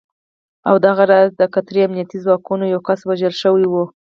او دغه راز د قطري امنیتي ځواکونو یو کس وژل شوی و